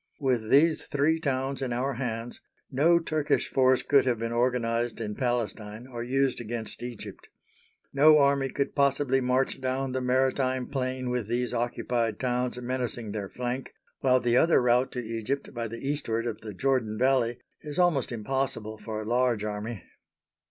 With these three towns in our hands no Turkish force could have been organised in Palestine or used against Egypt. No army could possibly march down the maritime plain with these occupied towns menacing their flank, while the other route to Egypt by the eastward of the Jordan Valley is almost impossible for a large army.